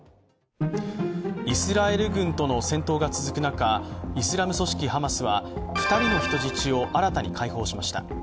イスラエル軍との戦闘が続く中イスラム組織ハマスは２人の人質を新たに解放しました。